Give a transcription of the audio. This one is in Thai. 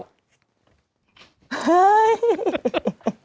เฮ้ย